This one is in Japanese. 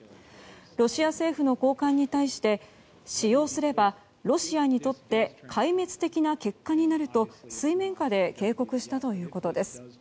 ロシア政府の高官に対して使用すれば、ロシアにとって壊滅的な結果になると水面下で警告したということです。